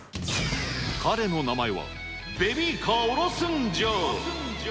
彼の名前は、ベビーカーおろすんジャー。